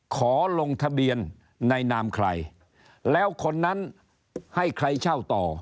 ขอลงทะเบียนในนามใครแล้วคนนั้นให้ใครเช่าต่อ